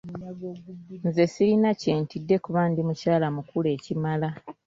Nze sirina kye ntidde kuba ndi mukyala mukulu ekimala.